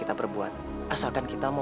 terima kasih prot mega